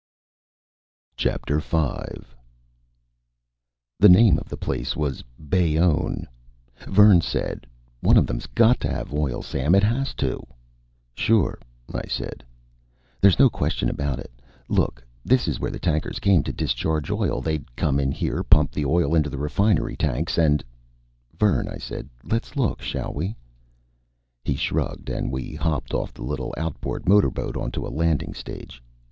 V The name of the place was Bayonne. Vern said: "One of them's got to have oil, Sam. It has to." "Sure," I said. "There's no question about it. Look, this is where the tankers came to discharge oil. They'd come in here, pump the oil into the refinery tanks and " "Vern," I said. "Let's look, shall we?" He shrugged, and we hopped off the little outboard motorboat onto a landing stage.